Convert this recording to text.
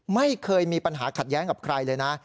ไม่เคยมีปัญหาขัดแย้งกับใครเลยนะ